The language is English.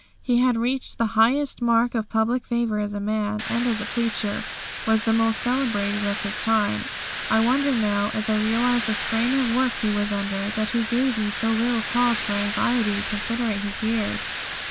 He had reached the highest mark of public favour as a man, and as a preacher was the most celebrated of his time. I wonder now, as I realise the strain of work he was under, that he gave me so little cause for anxiety considering his years.